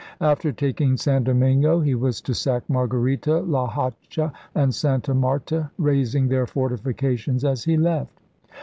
After taking San Domingo he was to sack Margarita, La Hacha, and Santa Marta, razing their fortifications as he left.